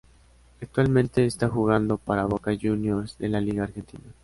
Actualmente está jugando para Boca Juniors de la Liga Argentina.